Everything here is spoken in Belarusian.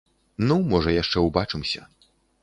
Ну, можа, яшчэ ўбачымся.